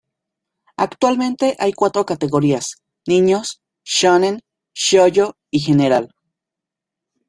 Actualmente hay cuatro categorías: niños, "shōnen", "shōjo" y general.